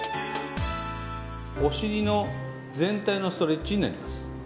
お尻の全体のストレッチになります。